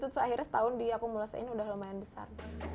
terus akhirnya setahun diakumulasin udah lumayan besar